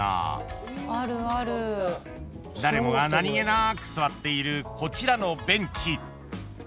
［誰もが何げなく座っているこちらの］